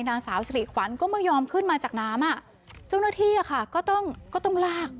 นางสาวสิริขวัญก็ไม่ยอมขึ้นมาจากน้ำอ่ะเจ้าหน้าที่อ่ะค่ะก็ต้องก็ต้องลาก